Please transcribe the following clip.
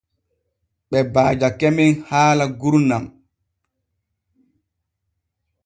Ɓe baajake men haala gurnan.